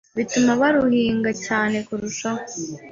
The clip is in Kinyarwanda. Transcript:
bituma baruhinga cyane kurushaho